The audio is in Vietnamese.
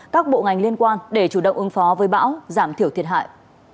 các bộ ngành liên quan để chủ động ứng phó với bão giảm thiểu thiệt hại